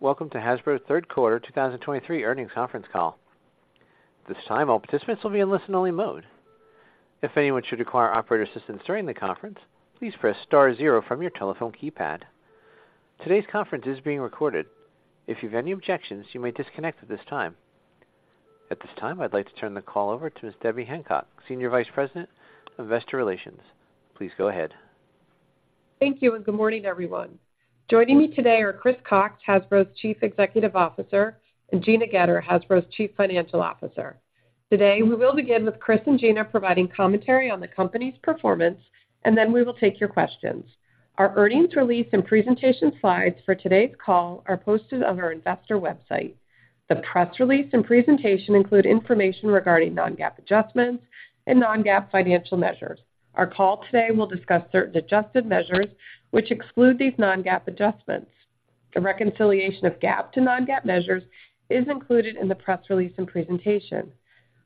Welcome to Hasbro's third quarter 2023 earnings conference call. At this time, all participants will be in listen-only mode. If anyone should require operator assistance during the conference, please press star zero from your telephone keypad. Today's conference is being recorded. If you have any objections, you may disconnect at this time. At this time, I'd like to turn the call over to Ms. Debbie Hancock, Senior Vice President of Investor Relations. Please go ahead. Thank you, and good morning, everyone. Joining me today are Chris Cocks, Hasbro's Chief Executive Officer, and Gina Goetter, Hasbro's Chief Financial Officer. Today, we will begin with Chris and Gina providing commentary on the company's performance, and then we will take your questions. Our earnings release and presentation slides for today's call are posted on our investor website. The press release and presentation include information regarding non-GAAP adjustments and non-GAAP financial measures. Our call today will discuss certain adjusted measures which exclude these non-GAAP adjustments. The reconciliation of GAAP to non-GAAP measures is included in the press release and presentation.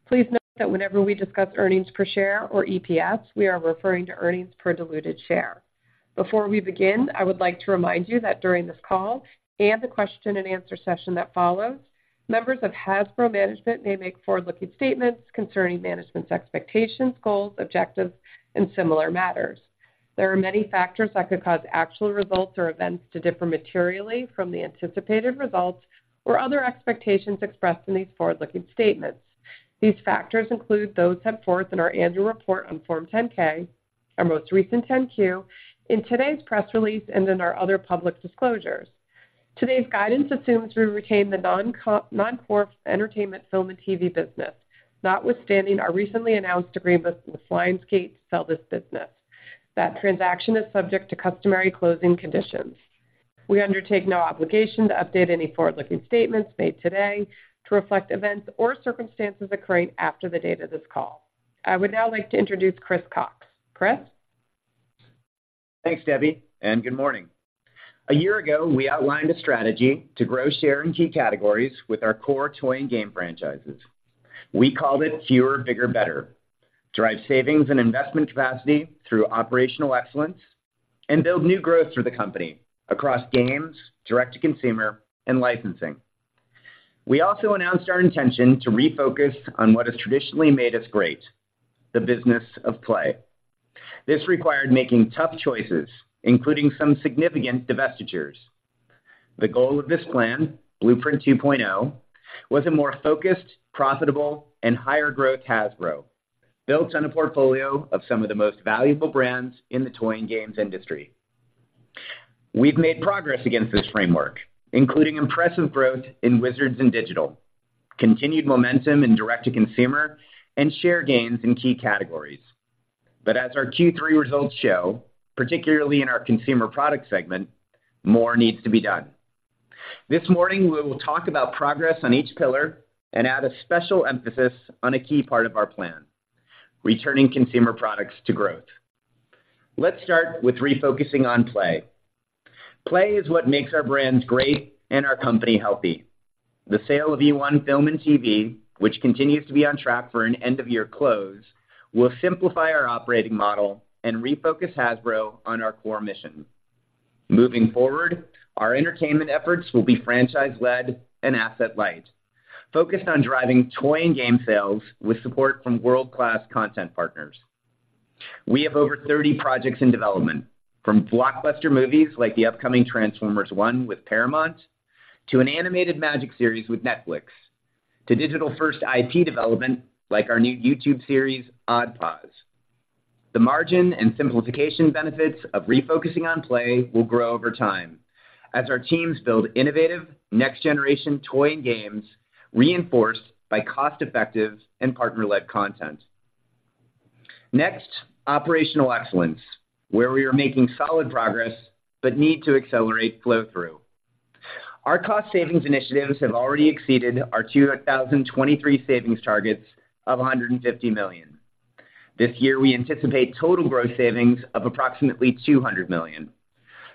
Please note that whenever we discuss earnings per share or EPS, we are referring to earnings per diluted share. Before we begin, I would like to remind you that during this call and the question and answer session that follows, members of Hasbro management may make forward-looking statements concerning management's expectations, goals, objectives, and similar matters. There are many factors that could cause actual results or events to differ materially from the anticipated results or other expectations expressed in these forward-looking statements. These factors include those set forth in our annual report on Form 10-K, our most recent 10-Q, in today's press release, and in our other public disclosures. Today's guidance assumes we retain the non-core entertainment, film, and TV business, notwithstanding our recently announced agreement with Lionsgate to sell this business. That transaction is subject to customary closing conditions. We undertake no obligation to update any forward-looking statements made today to reflect events or circumstances that occur after the date of this call. I would now like to introduce Chris Cocks. Chris? Thanks, Debbie, and good morning. A year ago, we outlined a strategy to grow share in key categories with our core toy and game franchises. We called it Fewer, Bigger, Better: Drive savings and investment capacity through operational excellence, and build new growth for the company across games, direct-to-consumer, and licensing. We also announced our intention to refocus on what has traditionally made us great, the business of play. This required making tough choices, including some significant divestitures. The goal of this plan, Blueprint 2.0, was a more focused, profitable, and higher-growth Hasbro, built on a portfolio of some of the most valuable brands in the toy and games industry. We've made progress against this framework, including impressive growth in Wizards and Digital, continued momentum in direct-to-consumer, and share gains in key categories. But as our Q3 results show, particularly in our consumer product segment, more needs to be done. This morning, we will talk about progress on each pillar and add a special emphasis on a key part of our plan, returning consumer products to growth. Let's start with refocusing on play. Play is what makes our brands great and our company healthy. The sale of eOne Film and TV, which continues to be on track for an end-of-year close, will simplify our operating model and refocus Hasbro on our core mission. Moving forward, our entertainment efforts will be franchise-led and asset light, focused on driving toy and game sales with support from world-class content partners. We have over 30 projects in development, from blockbuster movies like the upcoming Transformers One with Paramount, to an animated Magic series with Netflix, to digital-first IP development, like our new YouTube series, Odd-Pawz. The margin and simplification benefits of refocusing on play will grow over time as our teams build innovative, next-generation toy and games, reinforced by cost-effective and partner-led content. Next, operational excellence, where we are making solid progress but need to accelerate flow-through. Our cost savings initiatives have already exceeded our 2023 savings targets of $150 million. This year, we anticipate total gross savings of approximately $200 million,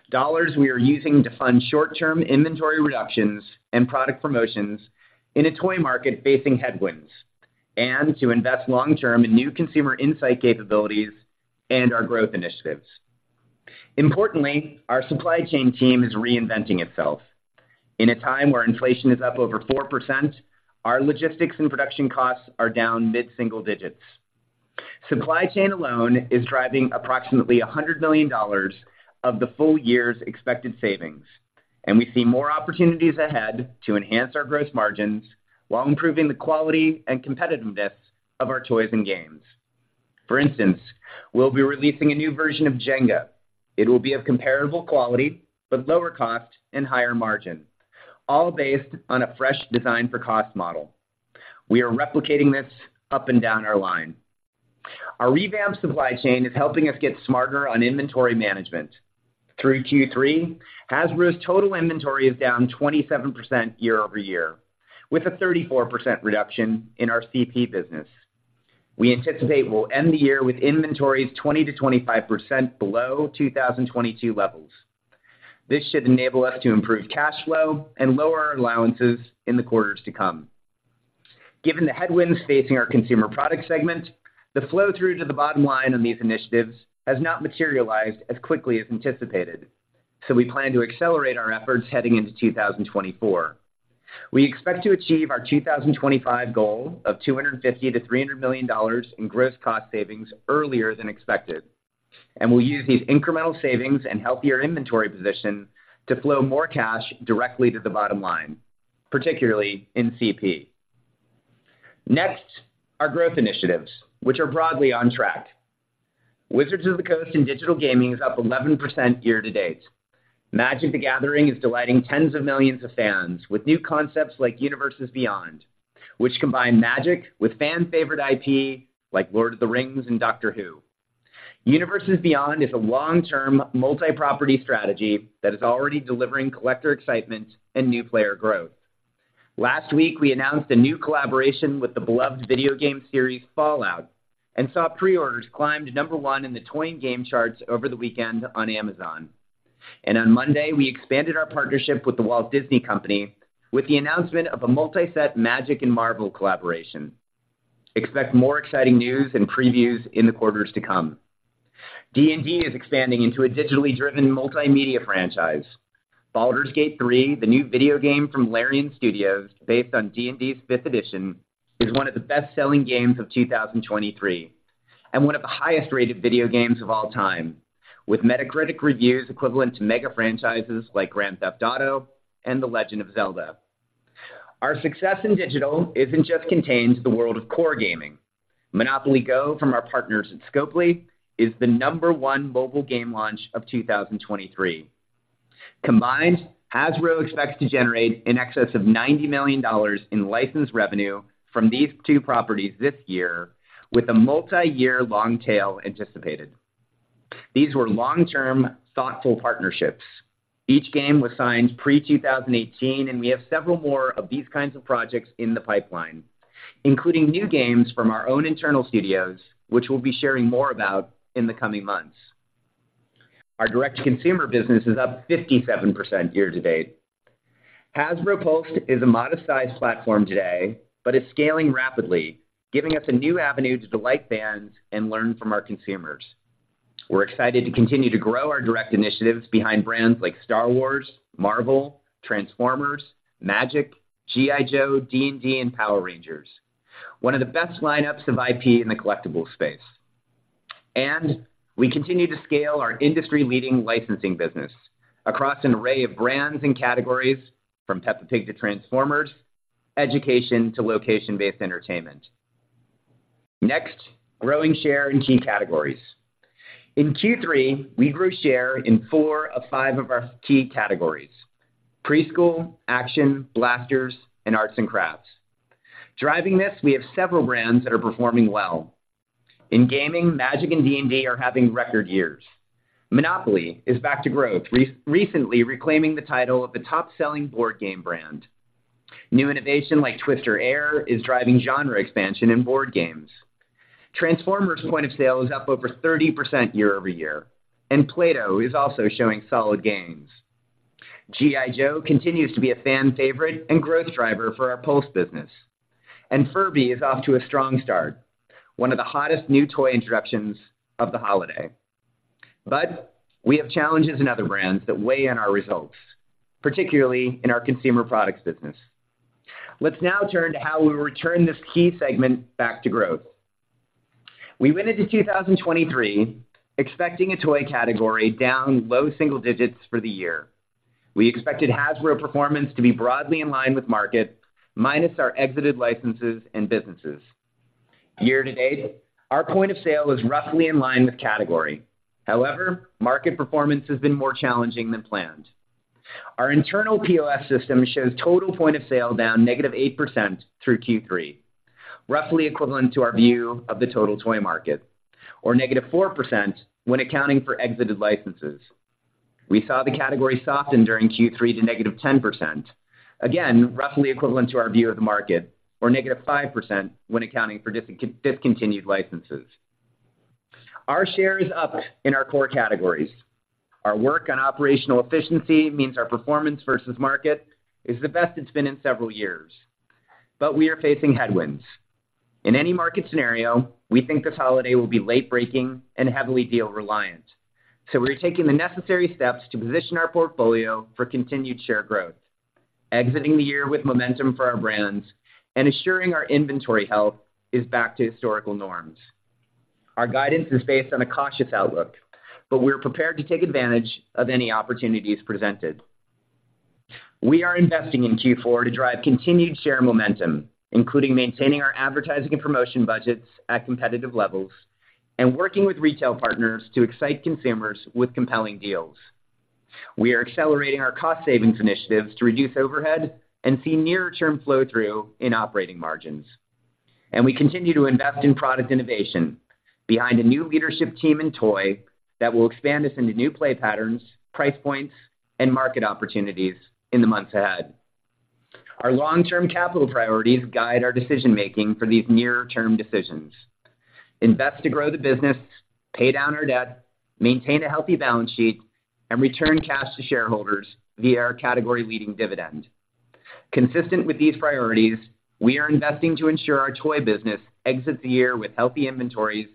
dollars we are using to fund short-term inventory reductions and product promotions in a toy market facing headwinds, and to invest long-term in new consumer insight capabilities and our growth initiatives. Importantly, our supply chain team is reinventing itself. In a time where inflation is up over 4%, our logistics and production costs are down mid-single digits. Supply chain alone is driving approximately $100 million of the full year's expected savings, and we see more opportunities ahead to enhance our gross margins while improving the quality and competitiveness of our toys and games. For instance, we'll be releasing a new version of Jenga. It will be of comparable quality, but lower cost and higher margin, all based on a fresh design for cost model. We are replicating this up and down our line. Our revamped supply chain is helping us get smarter on inventory management. Through Q3, Hasbro's total inventory is down 27% year-over-year, with a 34% reduction in our CP business. We anticipate we'll end the year with inventories 20%-25% below 2022 levels. This should enable us to improve cash flow and lower our allowances in the quarters to come. Given the headwinds facing our consumer products segment, the flow-through to the bottom line on these initiatives has not materialized as quickly as anticipated, so we plan to accelerate our efforts heading into 2024. We expect to achieve our 2025 goal of $250 million-$300 million in gross cost savings earlier than expected, and we'll use these incremental savings and healthier inventory position to flow more cash directly to the bottom line, particularly in CP. Next, our growth initiatives, which are broadly on track. Wizards of the Coast in digital gaming is up 11% year to date. Magic: The Gathering is delighting tens of millions of fans with new concepts like Universes Beyond, which combine Magic with fan-favorite IP, like Lord of the Rings and Doctor Who. Universes Beyond is a long-term, multi-property strategy that is already delivering collector excitement and new player growth. Last week, we announced a new collaboration with the beloved video game series, Fallout, and saw pre-orders climb to number one in the toy and game charts over the weekend on Amazon. On Monday, we expanded our partnership with The Walt Disney Company, with the announcement of a multi-set Magic and Marvel collaboration. Expect more exciting news and previews in the quarters to come. D&D is expanding into a digitally driven multimedia franchise. Baldur's Gate 3, the new video game from Larian Studios, based on D&D's fifth edition, is one of the best-selling games of 2023, and one of the highest-rated video games of all time, with Metacritic reviews equivalent to mega franchises like Grand Theft Auto and The Legend of Zelda. Our success in digital isn't just contained to the world of core gaming. MONOPOLY GO! from our partners at Scopely, is the number one mobile game launch of 2023. Combined, Hasbro expects to generate in excess of $90 million in licensed revenue from these two properties this year, with a multiyear long tail anticipated. These were long-term, thoughtful partnerships. Each game was signed pre-2018, and we have several more of these kinds of projects in the pipeline, including new games from our own internal studios, which we'll be sharing more about in the coming months. Our direct-to-consumer business is up 57% year-to-date. Hasbro Pulse is a modest-sized platform today, but is scaling rapidly, giving us a new avenue to delight fans and learn from our consumers. We're excited to continue to grow our direct initiatives behind brands like Star Wars, Marvel, Transformers, Magic, G.I. Joe, D&D, and Power Rangers, one of the best lineups of IP in the collectibles space. We continue to scale our industry-leading licensing business across an array of brands and categories, from Peppa Pig to Transformers, education to location-based entertainment. Next, growing share in key categories. In Q3, we grew share in four of five of our key categories: preschool, action, blasters, and arts and crafts. Driving this, we have several brands that are performing well. In gaming, Magic and D&D are having record years. MONOPOLY is back to growth, recently reclaiming the title of the top-selling board game brand. New innovation like Twister Air is driving genre expansion in board games. Transformers point of sale is up over 30% year-over-year, and Play-Doh is also showing solid gains. G.I. Joe continues to be a fan favorite and growth driver for our Pulse business. And Furby is off to a strong start, one of the hottest new toy introductions of the holiday. But we have challenges in other brands that weigh on our results, particularly in our consumer products business. Let's now turn to how we will return this key segment back to growth. We went into 2023 expecting a toy category down low single digits for the year. We expected Hasbro performance to be broadly in line with market, minus our exited licenses and businesses. Year to date, our point of sale is roughly in line with category. However, market performance has been more challenging than planned. Our internal POS system shows total point of sale down -8% through Q3, roughly equivalent to our view of the total toy market, or -4% when accounting for exited licenses. We saw the category soften during Q3 to -10%, again, roughly equivalent to our view of the market, or -5% when accounting for discontinued licenses. Our share is up in our core categories. Our work on operational efficiency means our performance versus market is the best it's been in several years, but we are facing headwinds. In any market scenario, we think this holiday will be late breaking and heavily deal reliant. So we're taking the necessary steps to position our portfolio for continued share growth, exiting the year with momentum for our brands and ensuring our inventory health is back to historical norms. Our guidance is based on a cautious outlook, but we're prepared to take advantage of any opportunities presented. We are investing in Q4 to drive continued share momentum, including maintaining our advertising and promotion budgets at competitive levels and working with retail partners to excite consumers with compelling deals. We are accelerating our cost savings initiatives to reduce overhead and see near-term flow-through in operating margins. And we continue to invest in product innovation behind a new leadership team in toy that will expand us into new play patterns, price points, and market opportunities in the months ahead. Our long-term capital priorities guide our decision-making for these near-term decisions.... invest to grow the business, pay down our debt, maintain a healthy balance sheet, and return cash to shareholders via our category-leading dividend. Consistent with these priorities, we are investing to ensure our toy business exits the year with healthy inventories,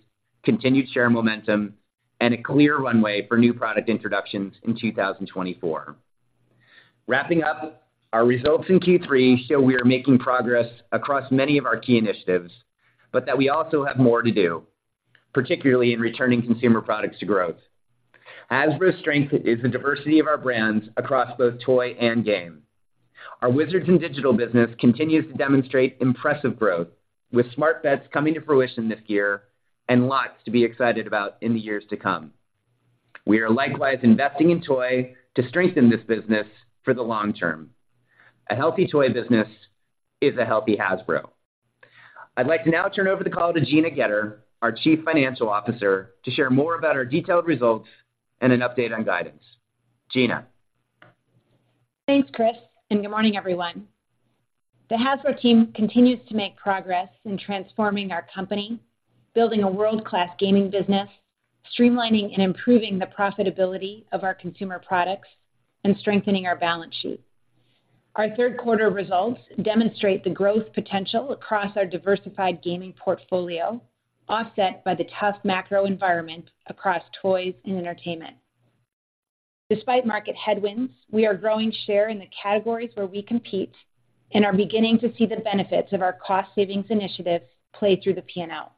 continued share momentum, and a clear runway for new product introductions in 2024. Wrapping up, our results in Q3 show we are making progress across many of our key initiatives, but that we also have more to do, particularly in returning consumer products to growth. Hasbro's strength is the diversity of our brands across both toy and game. Our Wizards and Digital business continues to demonstrate impressive growth, with smart bets coming to fruition this year and lots to be excited about in the years to come. We are likewise investing in toy to strengthen this business for the long term. A healthy toy business is a healthy Hasbro. I'd like to now turn over the call to Gina Goetter, our Chief Financial Officer, to share more about our detailed results and an update on guidance. Gina? Thanks, Chris, and good morning, everyone. The Hasbro team continues to make progress in transforming our company, building a world-class gaming business, streamlining and improving the profitability of our consumer products, and strengthening our balance sheet. Our third quarter results demonstrate the growth potential across our diversified gaming portfolio, offset by the tough macro environment across toys and entertainment. Despite market headwinds, we are growing share in the categories where we compete and are beginning to see the benefits of our cost savings initiatives play through the P&L.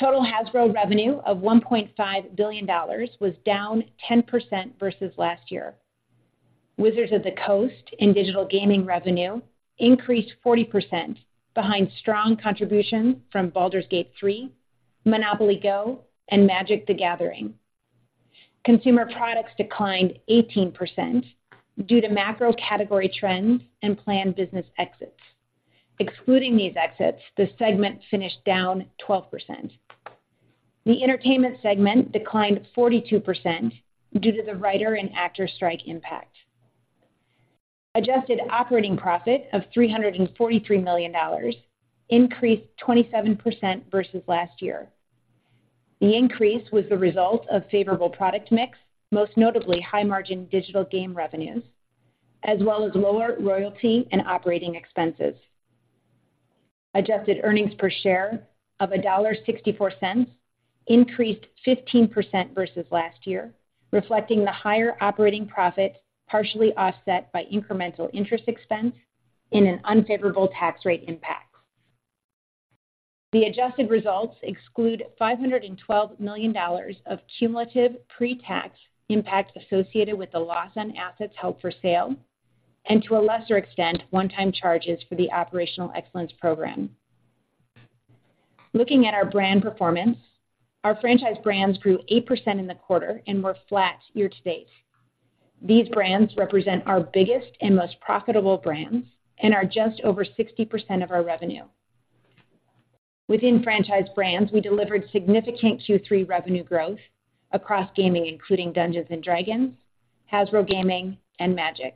Total Hasbro revenue of $1.5 billion was down 10% versus last year. Wizards of the Coast and Digital Gaming revenue increased 40% behind strong contribution from Baldur's Gate 3, MONOPOLY GO!, and Magic: The Gathering. Consumer products declined 18% due to macro category trends and planned business exits. Excluding these exits, the segment finished down 12%. The entertainment segment declined 42% due to the writer and actor strike impact. Adjusted operating profit of $343 million increased 27% versus last year. The increase was the result of favorable product mix, most notably high-margin digital game revenues, as well as lower royalty and operating expenses. Adjusted earnings per share of $1.64 increased 15% versus last year, reflecting the higher operating profit, partially offset by incremental interest expense in an unfavorable tax rate impact. The adjusted results exclude $512 million of cumulative pre-tax impacts associated with the loss on assets held for sale and, to a lesser extent, one-time charges for the Operational Excellence Program. Looking at our brand performance, our franchise brands grew 8% in the quarter and were flat year-to-date. These brands represent our biggest and most profitable brands and are just over 60% of our revenue. Within Franchise Brands, we delivered significant Q3 revenue growth across gaming, including Dungeons & Dragons, Hasbro Gaming, and Magic.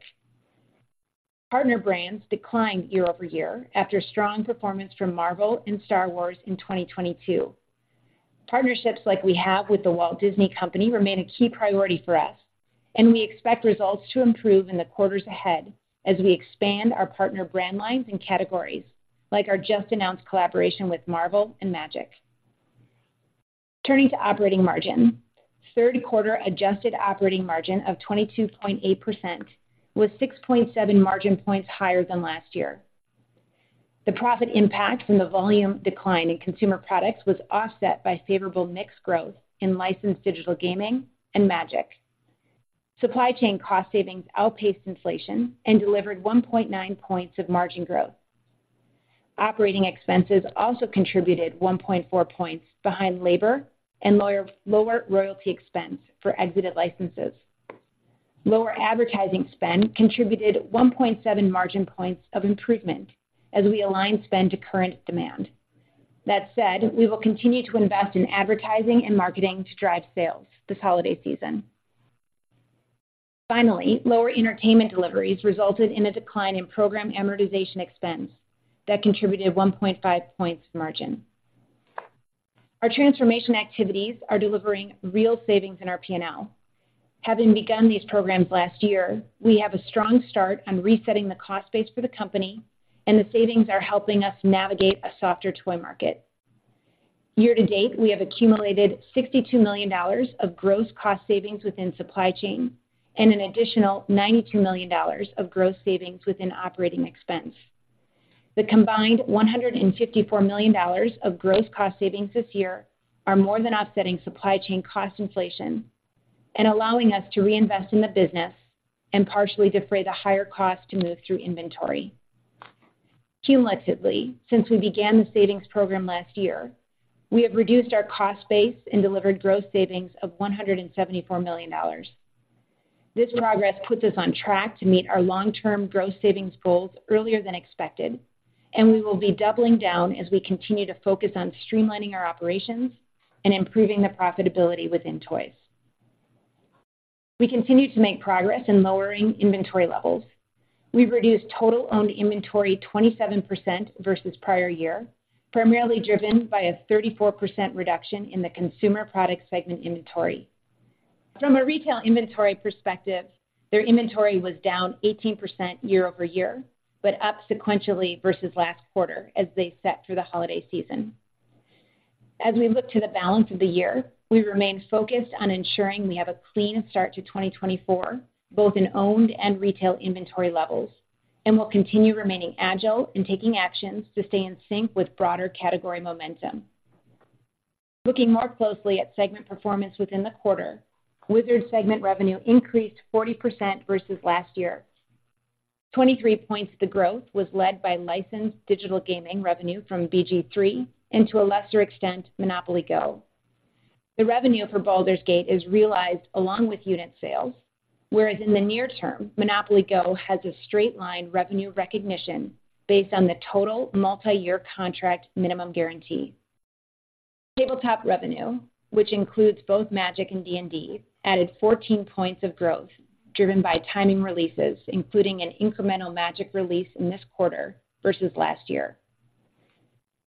Partner Brands declined year-over-year after strong performance from Marvel and Star Wars in 2022. Partnerships like we have with The Walt Disney Company remain a key priority for us, and we expect results to improve in the quarters ahead as we expand our partner brand lines and categories, like our just-announced collaboration with Marvel and Magic. Turning to operating margin. Third quarter adjusted operating margin of 22.8% was 6.7 margin points higher than last year. The profit impact from the volume decline in consumer products was offset by favorable mix growth in licensed digital gaming and magic. Supply chain cost savings outpaced inflation and delivered 1.9 points of margin growth. Operating expenses also contributed 1.4 points behind labor and lower royalty expense for exited licenses. Lower advertising spend contributed 1.7 margin points of improvement as we align spend to current demand. That said, we will continue to invest in advertising and marketing to drive sales this holiday season. Finally, lower entertainment deliveries resulted in a decline in program amortization expense that contributed 1.5 points margin. Our transformation activities are delivering real savings in our P&L. Having begun these programs last year, we have a strong start on resetting the cost base for the company, and the savings are helping us navigate a softer toy market. Year to date, we have accumulated $62 million of gross cost savings within supply chain and an additional $92 million of gross savings within operating expense. The combined $154 million of gross cost savings this year are more than offsetting supply chain cost inflation and allowing us to reinvest in the business and partially defray the higher cost to move through inventory. Cumulatively, since we began the savings program last year, we have reduced our cost base and delivered gross savings of $174 million. This progress puts us on track to meet our long-term gross savings goals earlier than expected, and we will be doubling down as we continue to focus on streamlining our operations and improving the profitability within toys... We continue to make progress in lowering inventory levels. We've reduced total owned inventory 27% versus prior year, primarily driven by a 34% reduction in the consumer product segment inventory. From a retail inventory perspective, their inventory was down 18% year over year, but up sequentially versus last quarter as they set through the holiday season. As we look to the balance of the year, we remain focused on ensuring we have a clean start to 2024, both in owned and retail inventory levels, and we'll continue remaining agile and taking actions to stay in sync with broader category momentum. Looking more closely at segment performance within the quarter, Wizards segment revenue increased 40% versus last year. Twenty-three points of the growth was led by licensed digital gaming revenue from BG3 and, to a lesser extent, MONOPOLY GO! The revenue for Baldur's Gate is realized along with unit sales, whereas in the near term, MONOPOLY GO! has a straight line revenue recognition based on the total multiyear contract minimum guarantee. Tabletop revenue, which includes both Magic and D&D, added 14 points of growth, driven by timing releases, including an incremental Magic release in this quarter versus last year.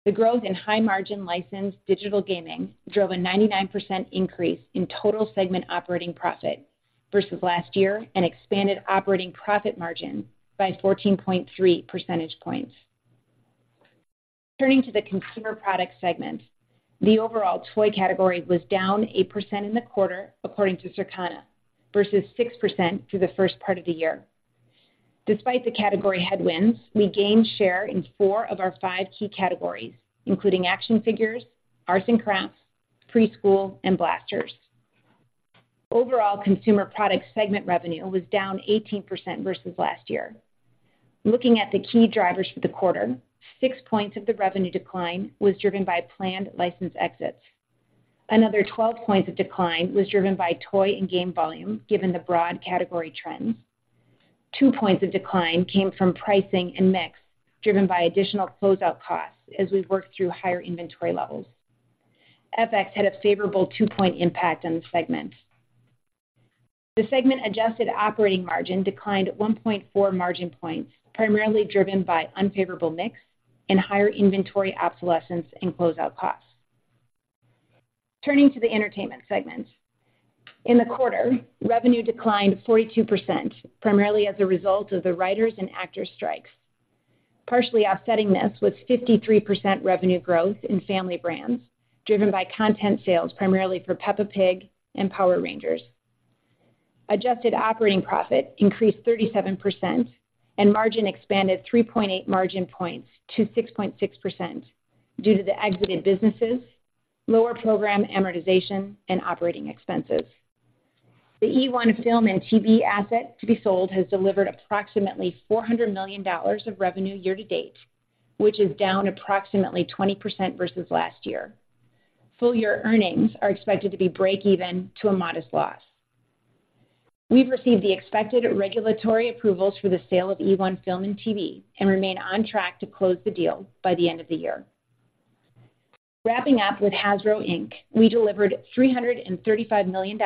The growth in high-margin licensed digital gaming drove a 99% increase in total segment operating profit versus last year and expanded operating profit margin by 14.3 percentage points. Turning to the Consumer Products segment, the overall toy category was down 8% in the quarter, according to Circana, versus 6% through the first part of the year. Despite the category headwinds, we gained share in four of our five key categories, including action figures, arts and crafts, preschool, and blasters. Overall, consumer product segment revenue was down 18% versus last year. Looking at the key drivers for the quarter, 6 points of the revenue decline was driven by planned license exits. Another 12 points of decline was driven by toy and game volume, given the broad category trends. Two points of decline came from pricing and mix, driven by additional closeout costs as we've worked through higher inventory levels. FX had a favorable 2-point impact on the segment. The segment adjusted operating margin declined 1.4 margin points, primarily driven by unfavorable mix and higher inventory obsolescence and closeout costs. Turning to the entertainment segment. In the quarter, revenue declined 42%, primarily as a result of the writers and actors strikes. Partially offsetting this was 53% revenue growth in family brands, driven by content sales, primarily for Peppa Pig and Power Rangers. Adjusted operating profit increased 37%, and margin expanded 3.8 margin points to 6.6% due to the exited businesses, lower program amortization, and operating expenses. The eOne Film and TV asset to be sold has delivered approximately $400 million of revenue year to date, which is down approximately 20% versus last year. Full year earnings are expected to be break even to a modest loss. We've received the expected regulatory approvals for the sale of eOne Film and TV, and remain on track to close the deal by the end of the year. Wrapping up with Hasbro, Inc., we delivered $335 million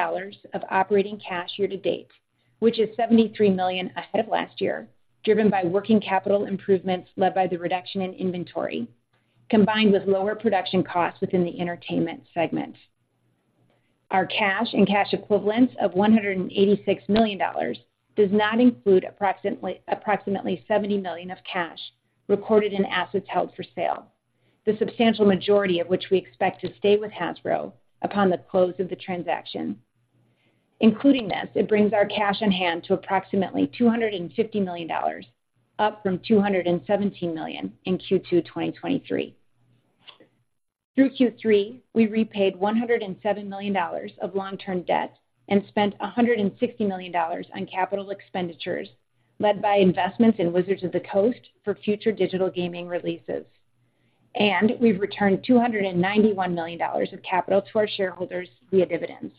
of operating cash year to date, which is $73 million ahead of last year, driven by working capital improvements led by the reduction in inventory, combined with lower production costs within the entertainment segment. Our cash and cash equivalents of $186 million does not include approximately $70 million of cash recorded in assets held for sale, the substantial majority of which we expect to stay with Hasbro upon the close of the transaction. Including this, it brings our cash on hand to approximately $250 million, up from $217 million in Q2 2023. Through Q3, we repaid $107 million of long-term debt and spent $160 million on capital expenditures, led by investments in Wizards of the Coast for future digital gaming releases. We've returned $291 million of capital to our shareholders via dividends.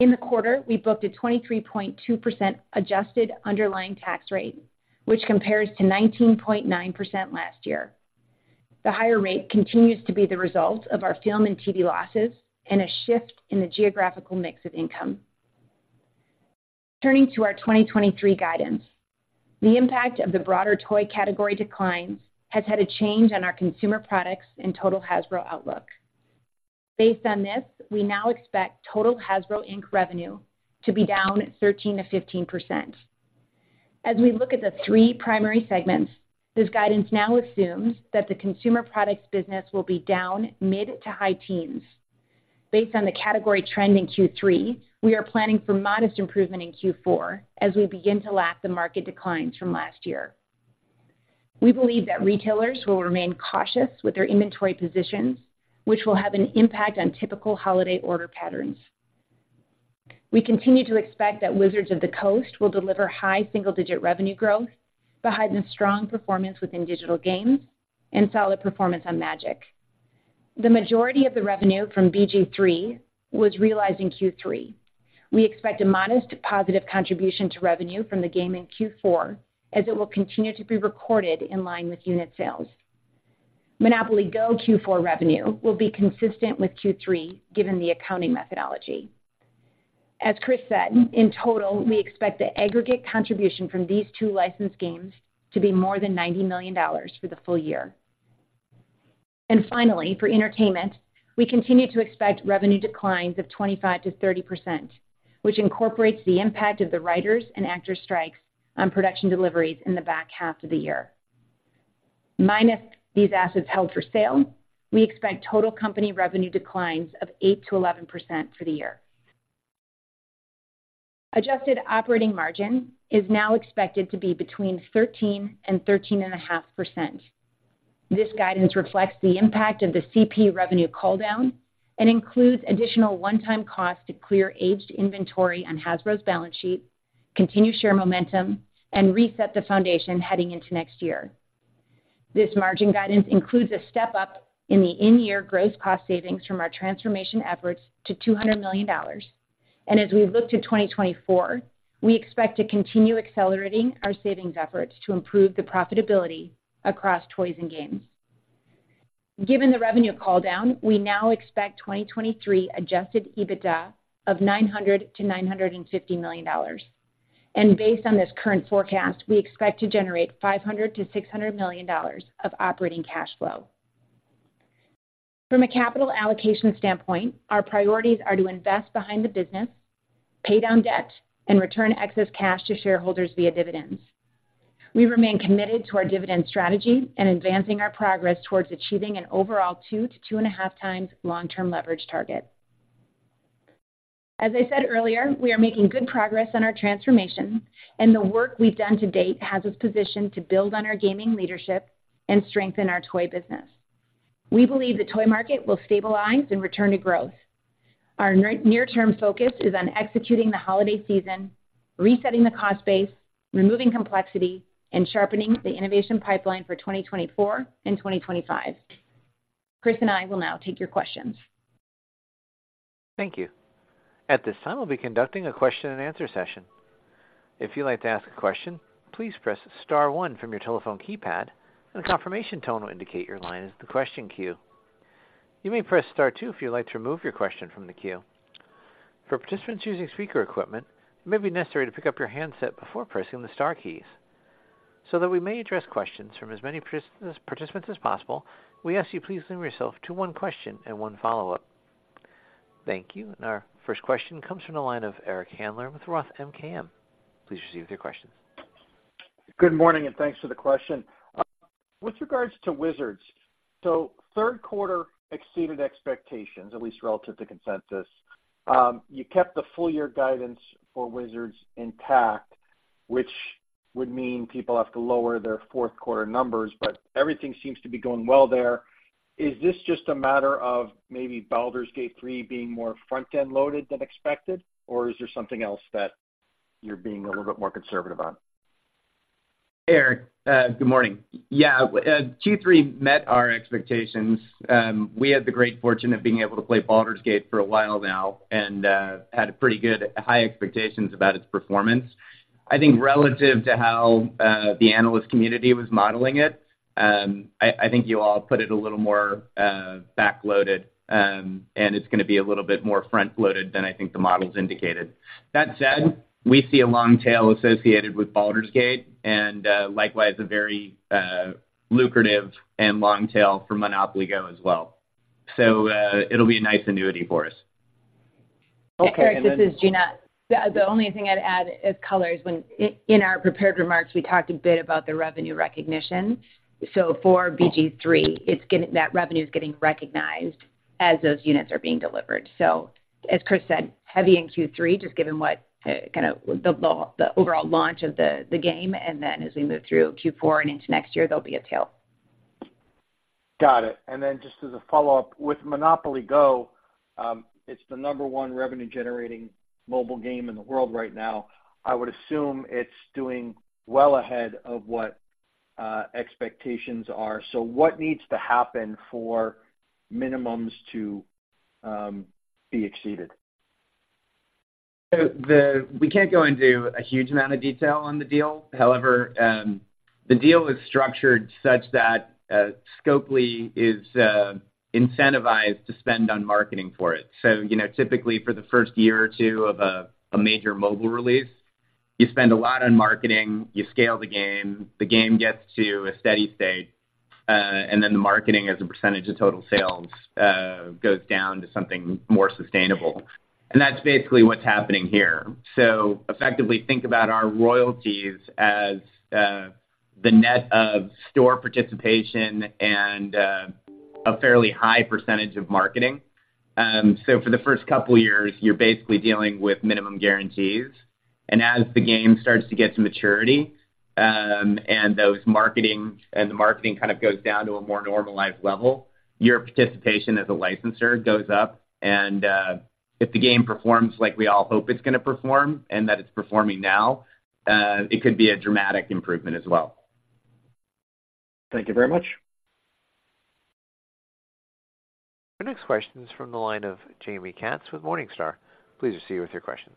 In the quarter, we booked a 23.2% adjusted underlying tax rate, which compares to 19.9% last year. The higher rate continues to be the result of our film and TV losses and a shift in the geographical mix of income. Turning to our 2023 guidance. The impact of the broader toy category declines has had a change on our consumer products and total Hasbro, Inc. outlook. Based on this, we now expect total Hasbro, Inc. revenue to be down 13%-15%. As we look at the three primary segments, this guidance now assumes that the consumer products business will be down mid- to high teens. Based on the category trend in Q3, we are planning for modest improvement in Q4 as we begin to lap the market declines from last year. We believe that retailers will remain cautious with their inventory positions, which will have an impact on typical holiday order patterns. We continue to expect that Wizards of the Coast will deliver high single-digit revenue growth, behind the strong performance within digital games and solid performance on Magic. The majority of the revenue from BG3 was realized in Q3. We expect a modest positive contribution to revenue from the game in Q4, as it will continue to be recorded in line with unit sales. MONOPOLY GO! Q4 revenue will be consistent with Q3, given the accounting methodology. As Chris said, in total, we expect the aggregate contribution from these two licensed games to be more than $90 million for the full year. Finally, for entertainment, we continue to expect revenue declines of 25%-30%, which incorporates the impact of the writers and actors strikes on production deliveries in the back half of the year. Minus these assets held for sale, we expect total company revenue declines of 8%-11% for the year. Adjusted operating margin is now expected to be between 13%-13.5%. This guidance reflects the impact of the CP revenue call down and includes additional one-time cost to clear aged inventory on Hasbro's balance sheet, continue share momentum, and reset the foundation heading into next year. This margin guidance includes a step-up in the in-year gross cost savings from our transformation efforts to $200 million. As we look to 2024, we expect to continue accelerating our savings efforts to improve the profitability across toys and games. Given the revenue call down, we now expect 2023 adjusted EBITDA of $900 million-$950 million. Based on this current forecast, we expect to generate $500 million-$600 million of operating cash flow. From a capital allocation standpoint, our priorities are to invest behind the business, pay down debt, and return excess cash to shareholders via dividends. We remain committed to our dividend strategy and advancing our progress towards achieving an overall 2-2.5x long-term leverage target. As I said earlier, we are making good progress on our transformation, and the work we've done to date has us positioned to build on our gaming leadership and strengthen our toy business. We believe the toy market will stabilize and return to growth. Our near-term focus is on executing the holiday season, resetting the cost base, removing complexity, and sharpening the innovation pipeline for 2024 and 2025. Chris and I will now take your questions. Thank you. At this time, we'll be conducting a question-and-answer session. If you'd like to ask a question, please press star one from your telephone keypad, and a confirmation tone will indicate your line is the question queue. You may press star two if you'd like to remove your question from the queue. For participants using speaker equipment, it may be necessary to pick up your handset before pressing the star keys. So that we may address questions from as many participants as possible, we ask you please limit yourself to one question and one follow-up. Thank you. And our first question comes from the line of Eric Handler with Roth MKM. Please proceed with your question. Good morning, and thanks for the question. With regards to Wizards, so third quarter exceeded expectations, at least relative to consensus. You kept the full year guidance for Wizards intact, which would mean people have to lower their fourth quarter numbers, but everything seems to be going well there. Is this just a matter of maybe Baldur's Gate 3 being more front-end loaded than expected, or is there something else that you're being a little bit more conservative on? Eric, good morning. Yeah, Q3 met our expectations. We had the great fortune of being able to play Baldur's Gate for a while now and had a pretty good high expectations about its performance. I think relative to how the analyst community was modeling it, I think you all put it a little more backloaded and it's gonna be a little bit more front-loaded than I think the models indicated. That said, we see a long tail associated with Baldur's Gate and likewise a very lucrative and long tail for MONOPOLY GO! as well. So, it'll be a nice annuity for us. Okay, and then- Eric, this is Gina. The only thing I'd add is color, is when in our prepared remarks, we talked a bit about the revenue recognition. So for BG3, it's getting that revenue is getting recognized as those units are being delivered. So as Chris said, heavy in Q3, just given what kind of the overall launch of the game, and then as we move through Q4 and into next year, there'll be a tail. Got it. And then just as a follow-up, with MONOPOLY GO!, it's the number one revenue-generating mobile game in the world right now. I would assume it's doing well ahead of what expectations are. So what needs to happen for minimums to be exceeded? So we can't go into a huge amount of detail on the deal. However, the deal is structured such that, Scopely is, incentivized to spend on marketing for it. So, you know, typically for the first year or two of a major mobile release, you spend a lot on marketing, you scale the game, the game gets to a steady state, and then the marketing as a percentage of total sales, goes down to something more sustainable. And that's basically what's happening here. So effectively, think about our royalties as, the net of store participation and, a fairly high percentage of marketing. So for the first couple of years, you're basically dealing with minimum guarantees. As the game starts to get to maturity, and the marketing kind of goes down to a more normalized level, your participation as a licensor goes up. If the game performs like we all hope it's gonna perform and that it's performing now, it could be a dramatic improvement as well. Thank you very much.... Our next question is from the line of Jaime Katz with Morningstar. Please proceed with your question.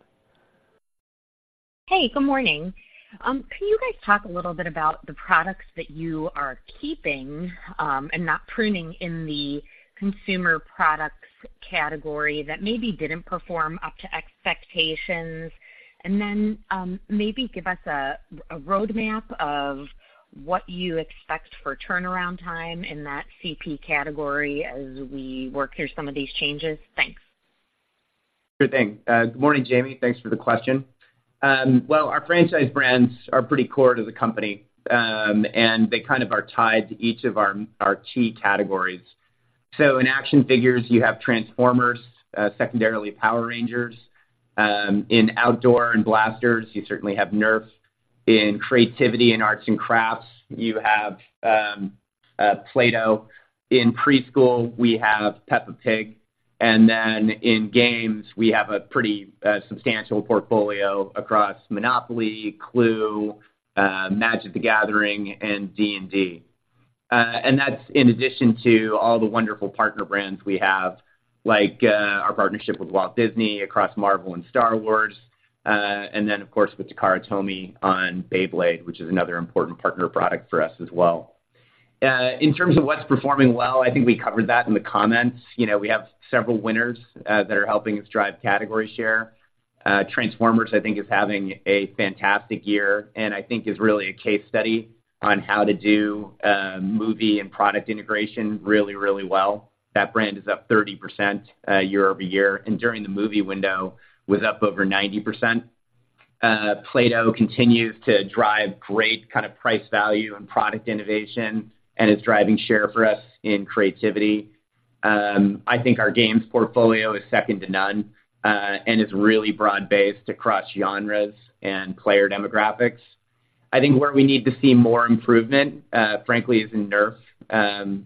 Hey, good morning. Can you guys talk a little bit about the products that you are keeping, and not pruning in the consumer products category that maybe didn't perform up to expectations? And then, maybe give us a roadmap of what you expect for turnaround time in that CP category as we work through some of these changes. Thanks. Sure thing. Good morning, Jamie. Thanks for the question. Well, our franchise brands are pretty core to the company, and they kind of are tied to each of our our key categories. So in action figures, you have Transformers, secondarily, Power Rangers. In outdoor and blasters, you certainly have Nerf. In creativity and arts and crafts, you have Play-Doh. In preschool, we have Peppa Pig, and then in games, we have a pretty substantial portfolio across MONOPOLY, Clue, Magic: The Gathering, and D&D. And that's in addition to all the wonderful partner brands we have, like our partnership with Walt Disney across Marvel and Star Wars, and then, of course, with Takara Tomy on Beyblade, which is another important partner product for us as well. In terms of what's performing well, I think we covered that in the comments. You know, we have several winners that are helping us drive category share. Transformers, I think, is having a fantastic year, and I think is really a case study on how to do movie and product integration really, really well. That brand is up 30%, year-over-year, and during the movie window, was up over 90%. Play-Doh continues to drive great kind of price value and product innovation, and is driving share for us in creativity. I think our games portfolio is second to none, and is really broad-based across genres and player demographics. I think where we need to see more improvement, frankly, is in Nerf.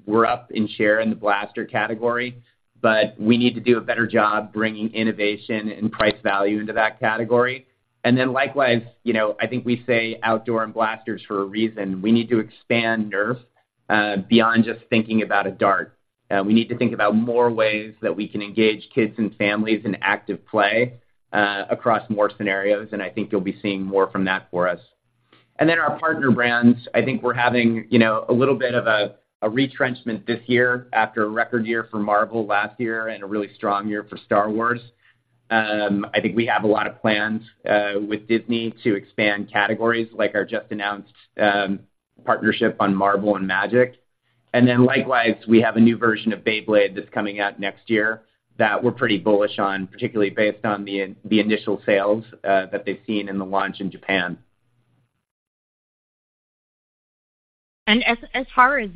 We're up in share in the blaster category, but we need to do a better job bringing innovation and price value into that category. And then likewise, you know, I think we say outdoor and blasters for a reason. We need to expand Nerf beyond just thinking about a dart. We need to think about more ways that we can engage kids and families in active play across more scenarios, and I think you'll be seeing more from that for us. And then our partner brands, I think we're having, you know, a little bit of a retrenchment this year after a record year for Marvel last year and a really strong year for Star Wars. I think we have a lot of plans with Disney to expand categories, like our just announced partnership on Marvel and Magic. And then likewise, we have a new version of Beyblade that's coming out next year that we're pretty bullish on, particularly based on the initial sales that they've seen in the launch in Japan. As far as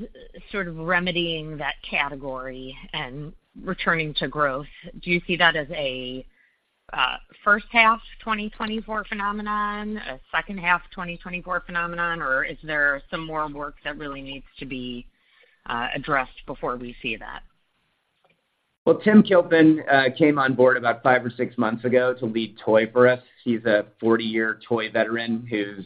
sort of remedying that category and returning to growth, do you see that as a first half 2024 phenomenon, a second half 2024 phenomenon, or is there some more work that really needs to be addressed before we see that? Well, Tim Kilpin came on board about five or six months ago to lead toy for us. He's a 40-year toy veteran who's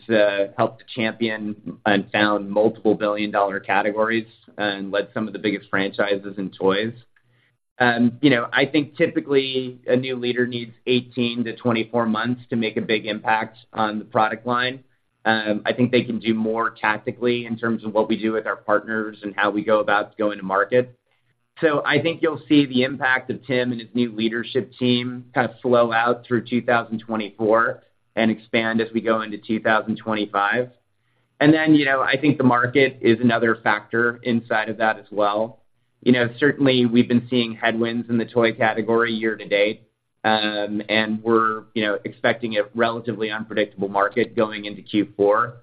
helped champion and found multiple billion-dollar categories and led some of the biggest franchises in toys. You know, I think typically, a new leader needs 18-24 months to make a big impact on the product line. I think they can do more tactically in terms of what we do with our partners and how we go about going to market. So I think you'll see the impact of Tim and his new leadership team kind of slow out through 2024 and expand as we go into 2025. And then, you know, I think the market is another factor inside of that as well. You know, certainly, we've been seeing headwinds in the toy category year to date, and we're, you know, expecting a relatively unpredictable market going into Q4.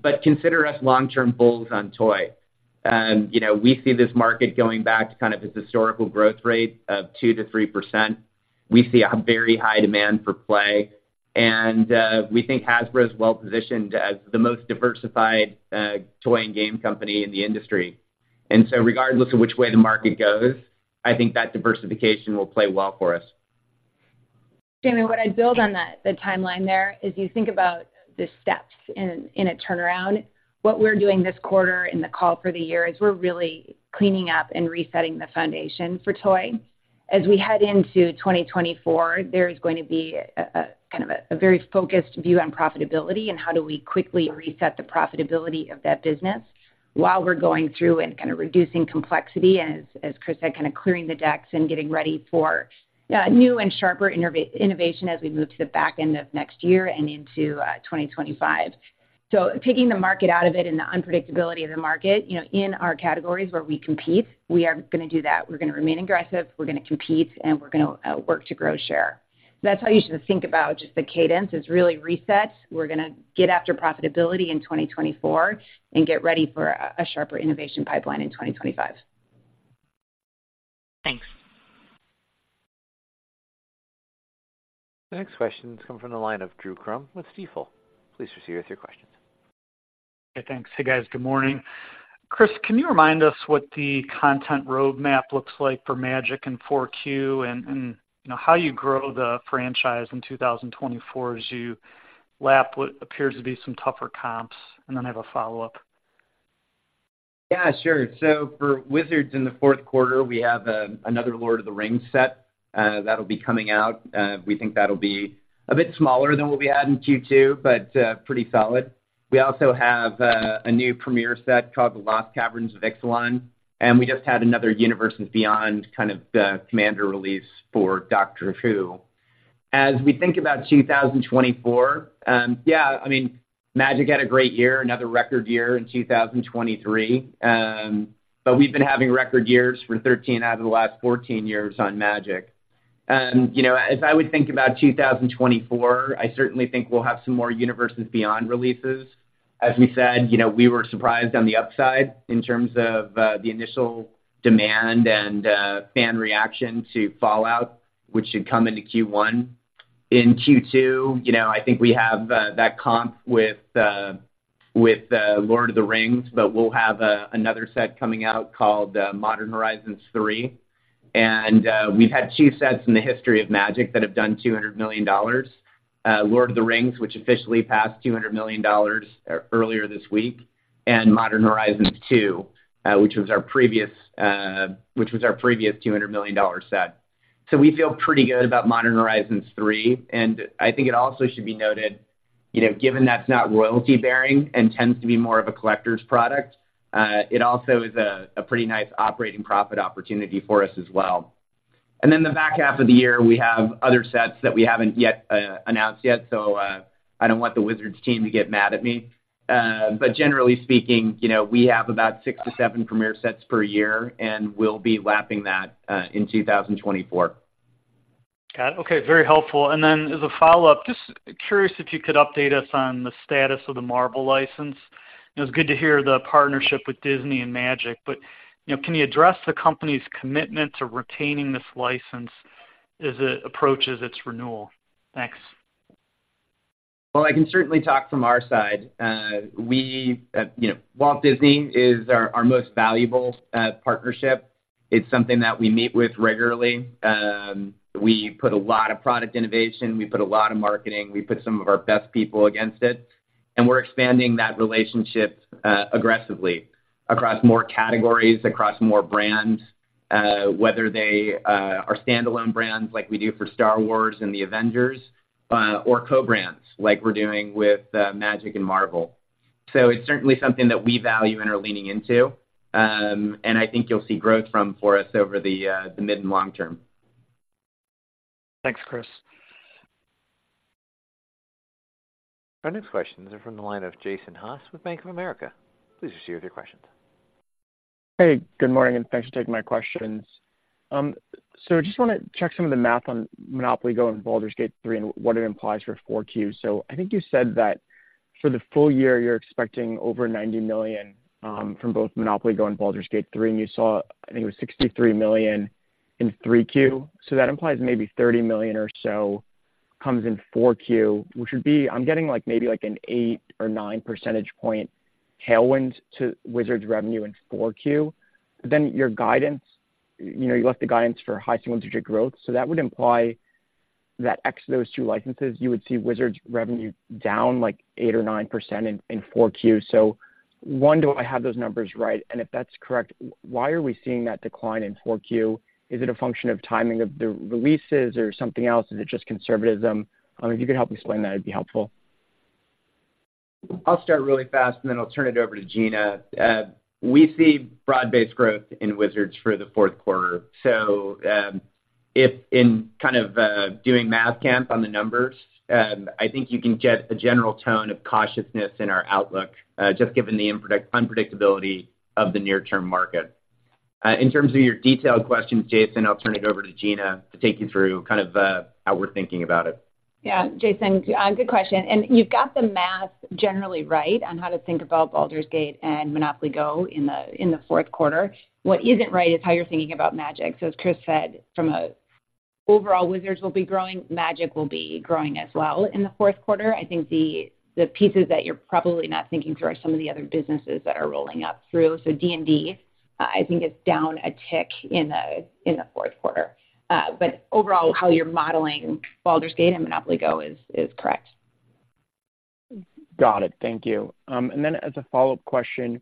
But consider us long-term bulls on toy. You know, we see this market going back to kind of its historical growth rate of 2%-3%. We see a very high demand for play, and we think Hasbro is well positioned as the most diversified toy and game company in the industry. And so regardless of which way the market goes, I think that diversification will play well for us. Jamie, what I'd build on that, the timeline there, is you think about the steps in a turnaround. What we're doing this quarter in the call for the year is we're really cleaning up and resetting the foundation for toy. As we head into 2024, there is going to be a kind of a very focused view on profitability and how do we quickly reset the profitability of that business while we're going through and kind of reducing complexity, and as Chris said, kind of clearing the decks and getting ready for new and sharper innovation as we move to the back end of next year and into 2025. So taking the market out of it and the unpredictability of the market, you know, in our categories where we compete, we are gonna do that. We're gonna remain aggressive, we're gonna compete, and we're gonna work to grow share. That's how you should think about just the cadence. It's really reset. We're gonna get after profitability in 2024 and get ready for a sharper innovation pipeline in 2025. Thanks. The next question comes from the line of Drew Crum with Stifel. Please proceed with your questions. Hey, thanks. Hey, guys. Good morning. Chris, can you remind us what the content roadmap looks like for Magic in 4Q? And you know, how you grow the franchise in 2024 as you lap what appears to be some tougher comps? And then I have a follow-up.... Yeah, sure. So for Wizards in the fourth quarter, we have another Lord of the Rings set that'll be coming out. We think that'll be a bit smaller than what we had in Q2, but pretty solid. We also have a new premier set called The Lost Caverns of Ixalan, and we just had another Universes Beyond, kind of the commander release for Doctor Who. As we think about 2024, yeah, I mean, Magic had a great year, another record year in 2023. But we've been having record years for 13 out of the last 14 years on Magic. You know, as I would think about 2024, I certainly think we'll have some more Universes Beyond releases. As we said, you know, we were surprised on the upside in terms of, the initial demand and, fan reaction to Fallout, which should come into Q1. In Q2, you know, I think we have, that comp with the, with The Lord of the Rings, but we'll have a, another set coming out called, Modern Horizons III. And, we've had two sets in the history of Magic that have done $200 million, Lord of the Rings, which officially passed $200 million earlier this week, and Modern Horizons II, which was our previous, which was our previous $200 million dollar set. So we feel pretty good about Modern Horizons III, and I think it also should be noted, you know, given that's not royalty-bearing and tends to be more of a collector's product, it also is a pretty nice operating profit opportunity for us as well. And then the back half of the year, we have other sets that we haven't yet announced yet, so I don't want the Wizards team to get mad at me. But generally speaking, you know, we have about 6-7 premier sets per year, and we'll be lapping that in 2024. Got it. Okay, very helpful. And then as a follow-up, just curious if you could update us on the status of the Marvel license. It was good to hear the partnership with Disney and Magic, but, you know, can you address the company's commitment to retaining this license as it approaches its renewal? Thanks. Well, I can certainly talk from our side. We, you know, Walt Disney is our, our most valuable partnership. It's something that we meet with regularly. We put a lot of product innovation, we put a lot of marketing, we put some of our best people against it, and we're expanding that relationship aggressively across more categories, across more brands, whether they are standalone brands like we do for Star Wars and The Avengers, or co-brands, like we're doing with Magic and Marvel. So it's certainly something that we value and are leaning into, and I think you'll see growth from for us over the mid and long term. Thanks, Chris. Our next question is from the line of Jason Haas with Bank of America. Please proceed with your questions. Hey, good morning, and thanks for taking my questions. So just wanna check some of the math on MONOPOLY GO! and Baldur's Gate 3 and what it implies for 4Q. So I think you said that for the full year, you're expecting over $90 million from both MONOPOLY GO! and Baldur's Gate 3, and you saw, I think it was $63 million in 3Q. So that implies maybe $30 million or so comes in 4Q, which would be... I'm getting, like, maybe like an 8 or 9 percentage point tailwind to Wizards revenue in 4Q. But then your guidance, you know, you left the guidance for high single-digit growth, so that would imply that X those two licenses, you would see Wizards revenue down, like, 8% or 9% in 4Q. So, one, do I have those numbers right? If that's correct, why are we seeing that decline in 4Q? Is it a function of timing of the releases or something else? Is it just conservatism? If you could help explain that, it'd be helpful. I'll start really fast, and then I'll turn it over to Gina. We see broad-based growth in Wizards for the fourth quarter. So, if in kind of, doing math camp on the numbers, I think you can get a general tone of cautiousness in our outlook, just given the unpredictability of the near-term market. In terms of your detailed questions, Jason, I'll turn it over to Gina to take you through kind of, how we're thinking about it. Yeah, Jason, good question, and you've got the math generally right on how to think about Baldur's Gate and MONOPOLY GO! in the fourth quarter. What isn't right is how you're thinking about Magic. So as Chris said, from a... Overall, Wizards will be growing, Magic will be growing as well in the fourth quarter. I think the pieces that you're probably not thinking through are some of the other businesses that are rolling up through. So D&D, I think, is down a tick in the fourth quarter. But overall, how you're modeling Baldur's Gate and MONOPOLY GO! is correct. Got it. Thank you. And then as a follow-up question,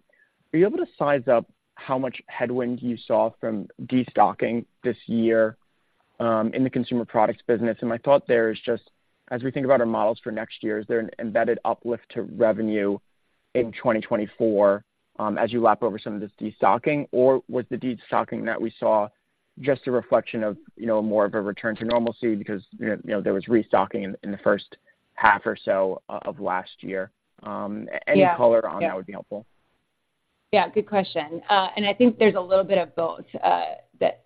are you able to size up how much headwind you saw from destocking this year in the consumer products business? And my thought there is just, as we think about our models for next year, is there an embedded uplift to revenue in 2024 as you lap over some of this destocking? Or was the destocking that we saw just a reflection of, you know, more of a return to normalcy because, you know, there was restocking in the first half or so of last year? Any color? Yeah.... on that would be helpful. Yeah, good question. And I think there's a little bit of both, that,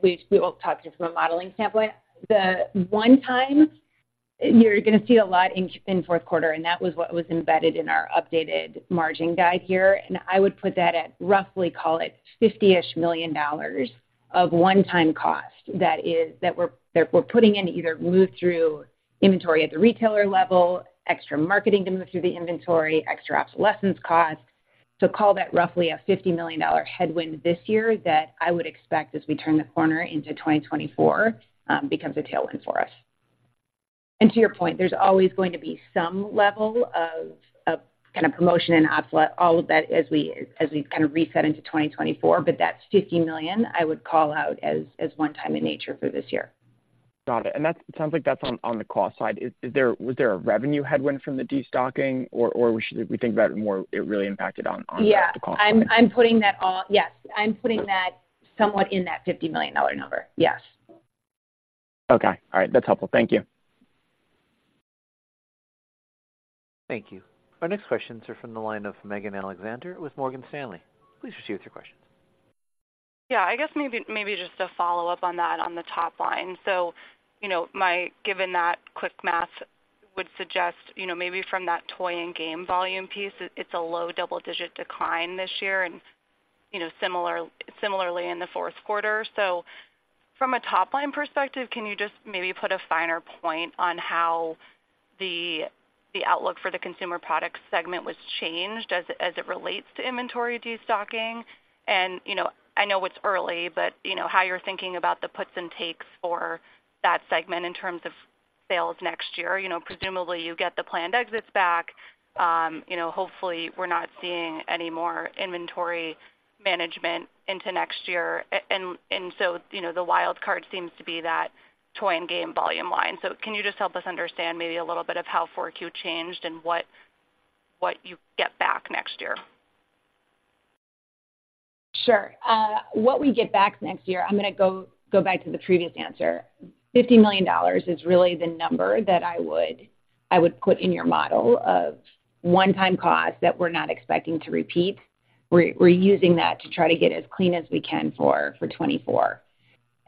which we will talk to from a modeling standpoint. The one-time, you're gonna see a lot in, in fourth quarter, and that was what was embedded in our updated margin guide here, and I would put that at roughly, call it $50-ish million of one-time cost. That is, that we're putting in to either move through inventory at the retailer level, extra marketing to move through the inventory, extra obsolescence costs. So call that roughly a $50 million headwind this year that I would expect, as we turn the corner into 2024, becomes a tailwind for us. And to your point, there's always going to be some level of kind of promotion and outlet, all of that as we kind of reset into 2024. But that's $50 million I would call out as one-time in nature for this year. Got it. And that's, sounds like that's on the cost side. Is there, was there a revenue headwind from the destocking, or should we think about it more, it really impacted on the cost? Yeah, I'm putting that somewhat in that $50 million number. Yes. Okay, all right. That's helpful. Thank you. Thank you. Our next questions are from the line of Megan Alexander with Morgan Stanley. Please proceed with your questions. Yeah, I guess maybe, maybe just a follow-up on that on the top line. So, you know, given that quick math would suggest, you know, maybe from that toy and game volume piece, it's a low double-digit decline this year and, you know, similar, similarly in the fourth quarter. So from a top-line perspective, can you just maybe put a finer point on how the outlook for the consumer product segment was changed as it relates to inventory destocking? And, you know, I know it's early, but, you know, how you're thinking about the puts and takes for that segment in terms of sales next year. You know, presumably, you get the planned exits back. You know, hopefully, we're not seeing any more inventory management into next year. And so, you know, the wild card seems to be that toy and game volume line. Can you just help us understand maybe a little bit of how Q4 changed and what, what you get back next year? Sure. What we get back next year, I'm gonna go, go back to the previous answer. $50 million is really the number that I would, I would put in your model of one-time cost that we're not expecting to repeat. We're, we're using that to try to get as clean as we can for, for 2024.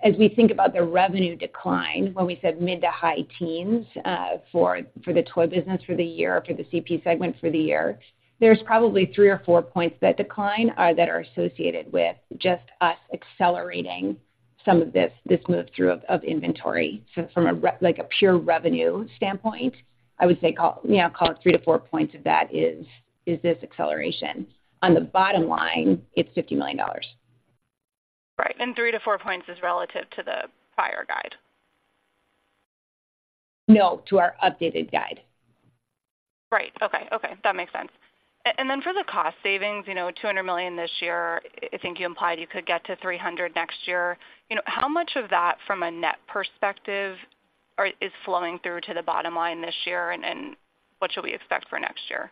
As we think about the revenue decline, when we said mid- to high-teens, for, for the toy business for the year, for the CP segment for the year, there's probably three or four points that decline, that are associated with just us accelerating some of this, this move through of, of inventory. So from a—like, a pure revenue standpoint, I would say call, you know, call it three to four points of that is, is this acceleration. On the bottom line, it's $50 million. Right. 3-4 points is relative to the prior guide? No, to our updated guide. Right. Okay. Okay, that makes sense. And then for the cost savings, you know, $200 million this year, I think you implied you could get to $300 million next year. You know, how much of that from a net perspective is flowing through to the bottom line this year, and, and what should we expect for next year?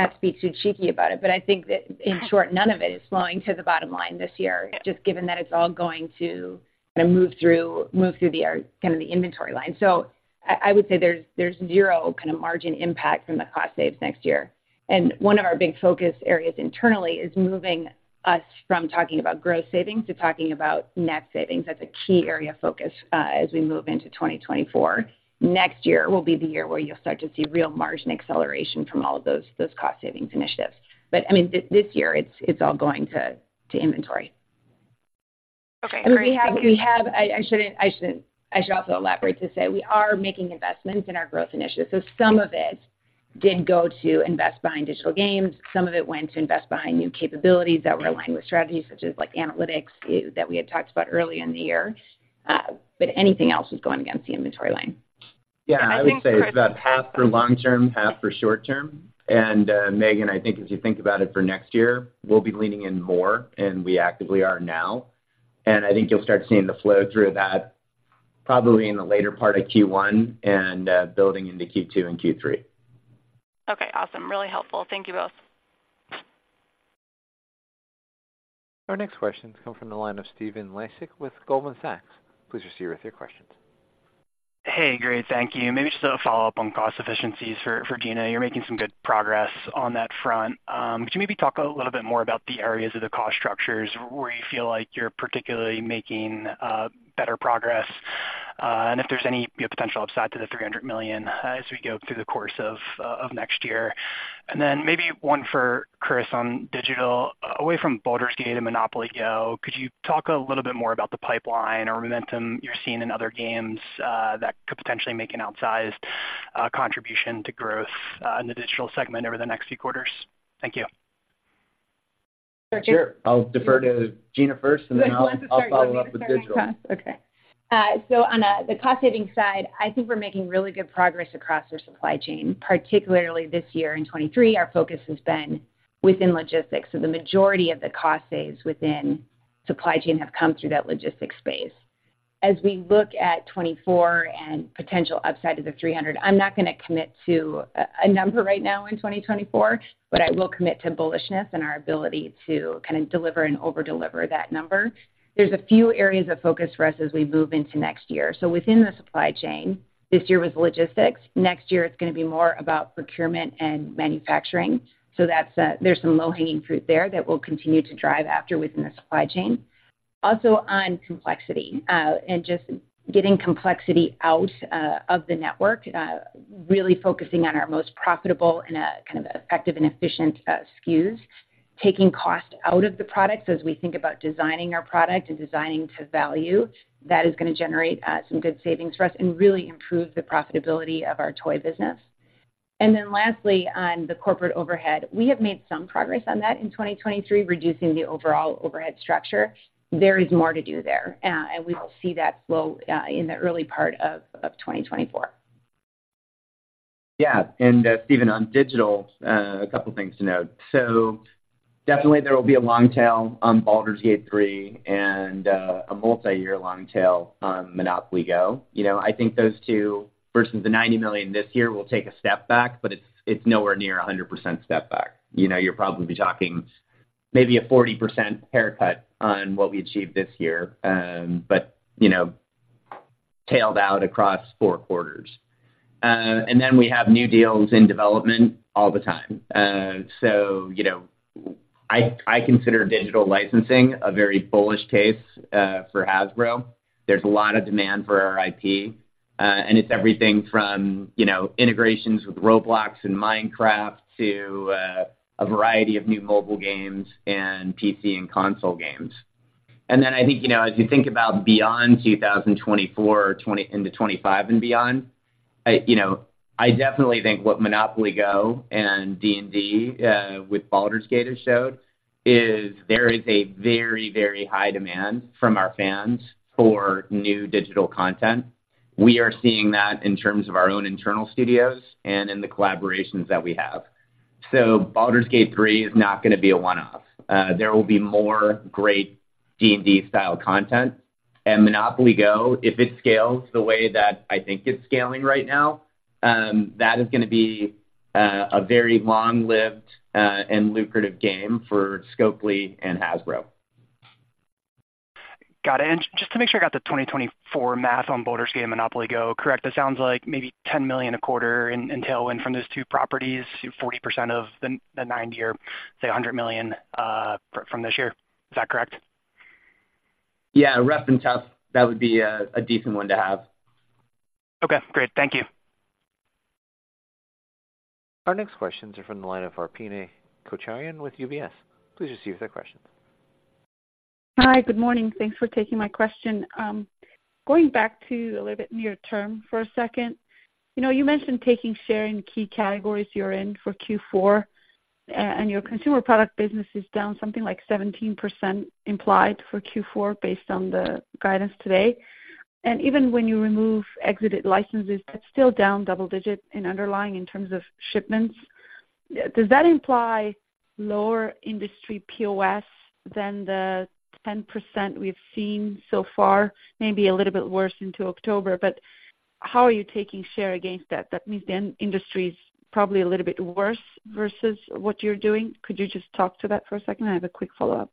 Well, I have to be too cheeky about it, but I think that in short, none of it is flowing to the bottom line this year, just given that it's all going to kind of move through the inventory line. So I would say there's zero kind of margin impact from the cost saves next year. And one of our big focus areas internally is moving us from talking about gross savings to talking about net savings. That's a key area of focus as we move into 2024. Next year will be the year where you'll start to see real margin acceleration from all of those cost savings initiatives. But I mean, this year, it's all going to inventory. Okay, all right. I should also elaborate to say we are making investments in our growth initiatives. So some of it did go to invest behind digital games. Some of it went to invest behind new capabilities that were aligned with strategies such as like analytics, that we had talked about early in the year, but anything else is going against the inventory line. Yeah, I would say it's about half for long term, half for short term. Megan, I think if you think about it for next year, we'll be leaning in more, and we actively are now. I think you'll start seeing the flow through that probably in the later part of Q1 and building into Q2 and Q3. Okay, awesome. Really helpful. Thank you both. Our next question comes from the line of Stephen Laszczyk with Goldman Sachs. Please proceed with your questions. Hey, great. Thank you. Maybe just a follow-up on cost efficiencies for, for Gina. You're making some good progress on that front. Could you maybe talk a little bit more about the areas of the cost structures where you feel like you're particularly making better progress, and if there's any potential upside to the $300 million as we go through the course of next year? And then maybe one for Chris on digital. Away from Baldur's Gate and MONOPOLY GO!, could you talk a little bit more about the pipeline or momentum you're seeing in other games that could potentially make an outsized contribution to growth in the digital segment over the next few quarters? Thank you. Sure. I'll defer to Gina first, and then I'll follow up with digital. Okay. So on the cost-saving side, I think we're making really good progress across our supply chain, particularly this year in 2023. Our focus has been within logistics, so the majority of the cost saves within supply chain have come through that logistics space. As we look at 2024 and potential upside to the $300 million, I'm not gonna commit to a number right now in 2024, but I will commit to bullishness and our ability to kind of deliver and over-deliver that number. There's a few areas of focus for us as we move into next year. So within the supply chain, this year was logistics. Next year, it's gonna be more about procurement and manufacturing, so that's, there's some low-hanging fruit there that we'll continue to drive after within the supply chain. Also, on complexity, and just getting complexity out of the network, really focusing on our most profitable and kind of effective and efficient SKUs. Taking cost out of the products as we think about designing our product and designing to value, that is gonna generate some good savings for us and really improve the profitability of our toy business. And then lastly, on the corporate overhead, we have made some progress on that in 2023, reducing the overall overhead structure. There is more to do there, and we will see that flow in the early part of 2024. Yeah, and, Steven, on digital, a couple things to note. So definitely there will be a long tail on Baldur's Gate 3 and, a multi-year long tail on MONOPOLY GO! You know, I think those two, versus the $90 million this year, will take a step back, but it's, it's nowhere near a 100% step back. You know, you'll probably be talking maybe a 40% haircut on what we achieved this year, but, you know, tailed out across four quarters. And then we have new deals in development all the time. So, you know, I, I consider digital licensing a very bullish case, for Hasbro. There's a lot of demand for our IP, and it's everything from, you know, integrations with Roblox and Minecraft to, a variety of new mobile games and PC and console games. I think, you know, as you think about beyond 2024, into 2025 and beyond, I, you know, I definitely think what MONOPOLY GO! and D&D with Baldur's Gate has showed, is there is a very, very high demand from our fans for new digital content. We are seeing that in terms of our own internal studios and in the collaborations that we have. So Baldur's Gate 3 is not gonna be a one-off. There will be more great D&D style content, and MONOPOLY GO!!, if it scales the way that I think it's scaling right now, that is gonna be a very long-lived and lucrative game for Scopely and Hasbro. Got it. And just to make sure I got the 2024 math on Baldur's Gate and MONOPOLY GO! correct, that sounds like maybe $10 million a quarter in tailwind from those two properties, so 40% of the $90 million or, say, $100 million from this year. Is that correct? Yeah, rough and tough. That would be a decent one to have. Okay, great. Thank you. Our next questions are from the line of Arpine Kocharyan with UBS. Please proceed with your questions. Hi, good morning. Thanks for taking my question. Going back to a little bit near term for a second, you know, you mentioned taking share in key categories you're in for Q4, and your consumer product business is down something like 17% implied for Q4 based on the guidance today. And even when you remove exited licenses, that's still down double digit in underlying in terms of shipments. Does that imply lower industry POS than the 10% we've seen so far? Maybe a little bit worse into October, but how are you taking share against that? That means the industry is probably a little bit worse versus what you're doing. Could you just talk to that for a second? I have a quick follow-up.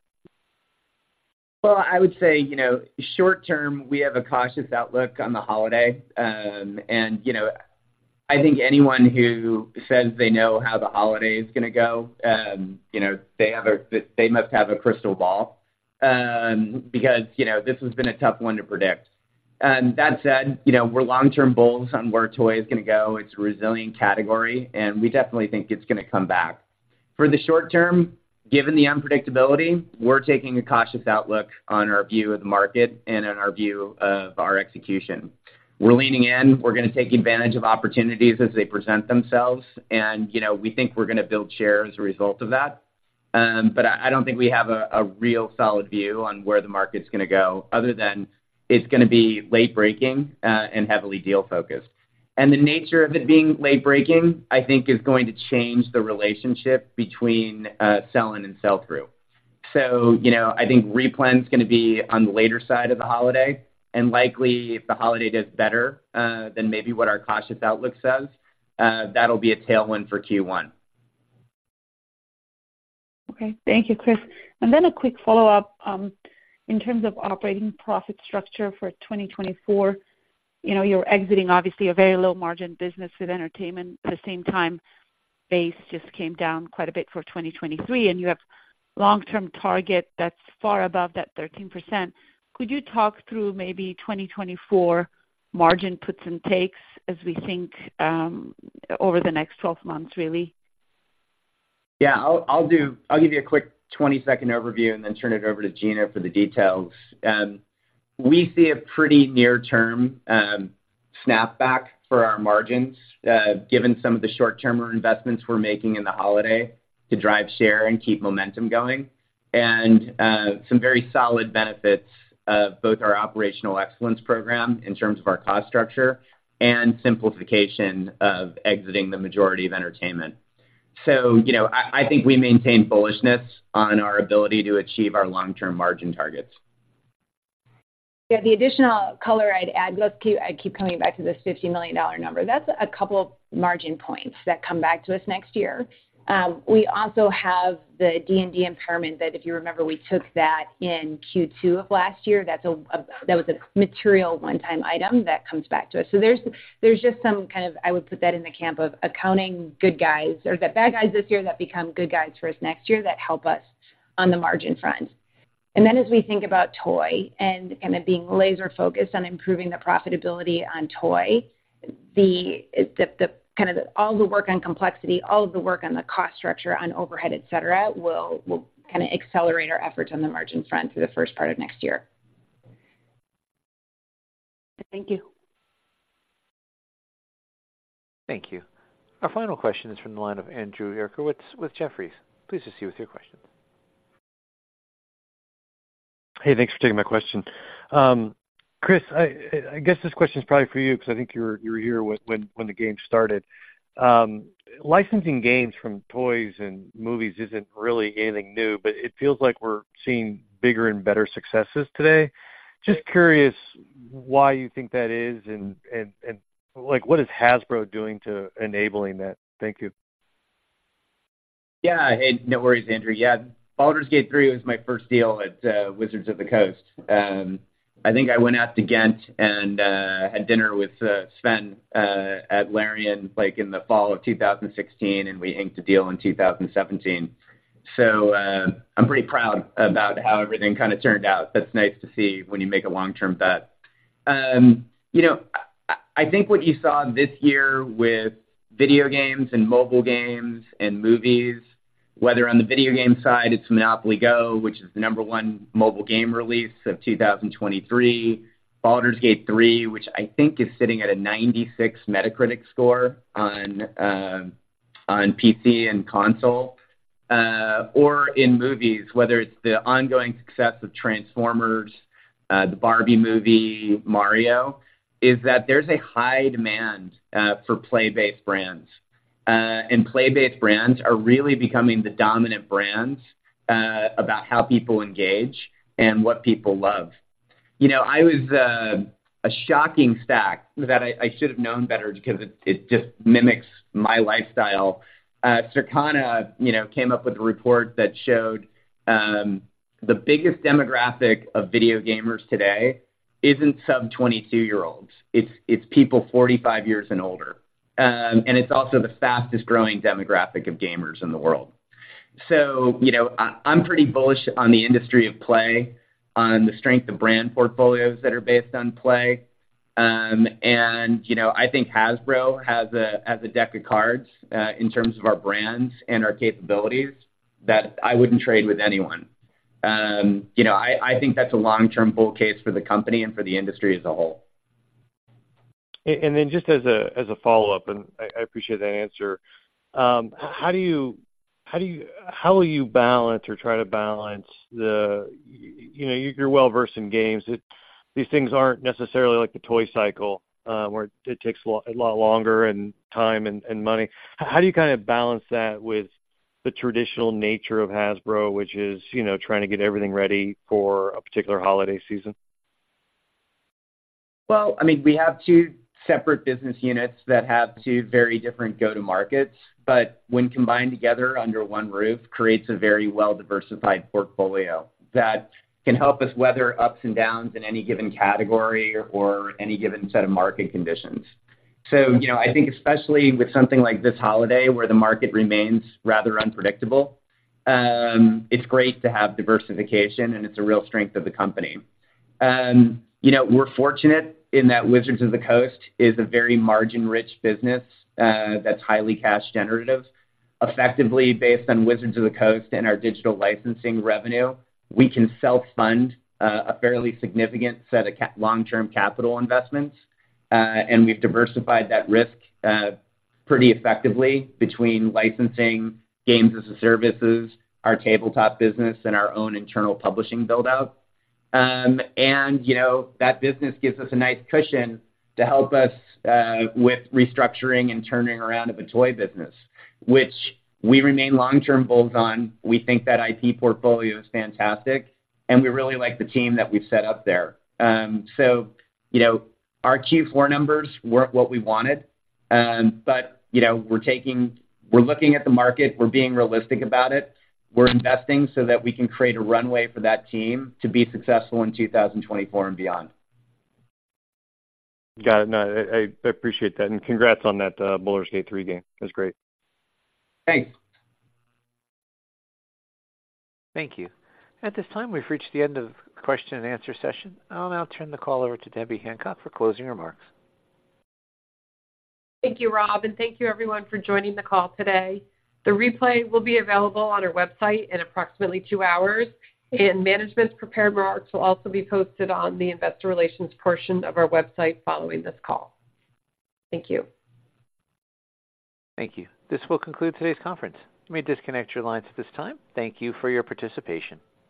Well, I would say, you know, short term, we have a cautious outlook on the holiday. You know, I think anyone who says they know how the holiday is gonna go, you know, they must have a crystal ball, because, you know, this has been a tough one to predict. That said, you know, we're long-term bulls on where toy is gonna go. It's a resilient category, and we definitely think it's gonna come back. For the short term, given the unpredictability, we're taking a cautious outlook on our view of the market and on our view of our execution. We're leaning in. We're gonna take advantage of opportunities as they present themselves, and, you know, we think we're gonna build share as a result of that. I don't think we have a real solid view on where the market's gonna go, other than it's gonna be late breaking, and heavily deal focused. The nature of it being late breaking, I think, is going to change the relationship between sell-in and sell-through. So, you know, I think replan's gonna be on the later side of the holiday, and likely, if the holiday does better than maybe what our cautious outlook says, that'll be a tailwind for Q1. Okay. Thank you, Chris. And then a quick follow-up. In terms of operating profit structure for 2024, you know, you're exiting obviously a very low margin business with entertainment. At the same time, base just came down quite a bit for 2023, and you have long-term target that's far above that 13%. Could you talk through maybe 2024 margin puts and takes as we think over the next 12 months, really? Yeah. I'll give you a quick 20-second overview and then turn it over to Gina for the details. We see a pretty near-term snapback for our margins, given some of the short-term investments we're making in the holiday to drive share and keep momentum going, and some very solid benefits of both our Operational Excellence Program in terms of our cost structure and simplification of exiting the majority of entertainment. So, you know, I think we maintain bullishness on our ability to achieve our long-term margin targets. Yeah, the additional color I'd add, let's keep. I keep coming back to this $50 million number. That's a couple of margin points that come back to us next year. We also have the D&D impairment that, if you remember, we took that in Q2 of last year. That's a that was a material one-time item that comes back to us. So there's, there's just some kind of... I would put that in the camp of accounting good guys, or the bad guys this year that become good guys for us next year, that help us on the margin front. And then as we think about toy and it being laser focused on improving the profitability on toy, the kind of all the work on complexity, all of the work on the cost structure, on overhead, et cetera, will kinda accelerate our efforts on the margin front through the first part of next year. Thank you. Thank you. Our final question is from the line of Andrew Uerkwitz with Jefferies. Please proceed with your question. Hey, thanks for taking my question. Chris, I guess this question is probably for you because I think you were here when the game started. Licensing games from toys and movies isn't really anything new, but it feels like we're seeing bigger and better successes today. Just curious why you think that is, and like, what is Hasbro doing to enabling that? Thank you. Yeah. Hey, no worries, Andrew. Yeah, Baldur's Gate 3 was my first deal at Wizards of the Coast. I think I went out to Ghent and had dinner with Swen at Larian, like in the fall of 2016, and we inked a deal in 2017. So, I'm pretty proud about how everything kind of turned out. That's nice to see when you make a long-term bet. You know, I think what you saw this year with video games and mobile games and movies, whether on the video game side, it's MONOPOLY GO!, which is the number one mobile game release of 2023. Baldur's Gate 3, which I think is sitting at a 96 Metacritic score on PC and console. or in movies, whether it's the ongoing success of Transformers, the Barbie movie, Mario, is that there's a high demand for play-based brands. And play-based brands are really becoming the dominant brands about how people engage and what people love. You know, I was a shocking stat that I should have known better because it just mimics my lifestyle. Circana, you know, came up with a report that showed the biggest demographic of video gamers today isn't sub 22-year-olds, it's people 45 years and older. And it's also the fastest-growing demographic of gamers in the world. So you know, I'm pretty bullish on the industry of play, on the strength of brand portfolios that are based on play. You know, I think Hasbro has a deck of cards in terms of our brands and our capabilities that I wouldn't trade with anyone. You know, I think that's a long-term bull case for the company and for the industry as a whole. Then, just as a follow-up, I appreciate that answer. How will you balance or try to balance the... You know, you're well-versed in games. These things aren't necessarily like the toy cycle, where it takes a lot, a lot longer and time and money. How do you kind of balance that with the traditional nature of Hasbro, which is, you know, trying to get everything ready for a particular holiday season? Well, I mean, we have two separate business units that have two very different go-to markets, but when combined together under one roof, creates a very well-diversified portfolio that can help us weather ups and downs in any given category or any given set of market conditions. So, you know, I think especially with something like this holiday, where the market remains rather unpredictable, it's great to have diversification, and it's a real strength of the company. You know, we're fortunate in that Wizards of the Coast is a very margin-rich business, that's highly cash generative. Effectively, based on Wizards of the Coast and our digital licensing revenue, we can self-fund, a fairly significant set of long-term capital investments, and we've diversified that risk, pretty effectively between licensing Games as a Service, our tabletop business, and our own internal publishing build-out. And, you know, that business gives us a nice cushion to help us with restructuring and turning around of the toy business, which we remain long-term bulls on. We think that IP portfolio is fantastic, and we really like the team that we've set up there. So, you know, our Q4 numbers weren't what we wanted. But, you know, we're looking at the market. We're being realistic about it. We're investing so that we can create a runway for that team to be successful in 2024 and beyond. Got it. No, I appreciate that, and congrats on that, Baldur's Gate 3 game. That's great. Thanks. Thank you. At this time, we've reached the end of the question and answer session. I'll now turn the call over to Debbie Hancock for closing remarks. Thank you, Rob, and thank you everyone for joining the call today. The replay will be available on our website in approximately two hours, and management's prepared remarks will also be posted on the investor relations portion of our website following this call. Thank you. Thank you. This will conclude today's conference. You may disconnect your lines at this time. Thank you for your participation.